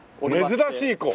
珍しい子？